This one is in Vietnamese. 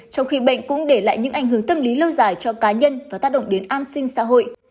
trong khi bệnh cũng để lại những ảnh hưởng tâm lý lâu dài cho cá nhân và tác động đến an sinh xã hội